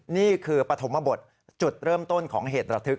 นี่คือปฐมบทจุดเริ่มต้นของเหตุระทึก